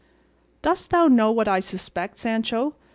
"Dost thou know what I suspect, Sancho?"